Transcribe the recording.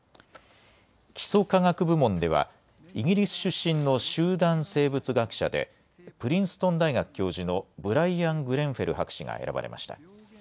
基礎科学部門では、イギリス出身の集団生物学者で、プリンストン大学教授のブライアン・グレンフェル博士が選ばれました。